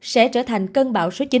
sẽ trở thành cân bão số chín